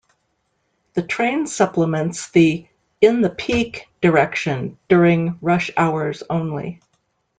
The train supplements the in the peak direction during rush hours only.